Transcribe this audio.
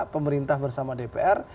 pemerintah bersama dpr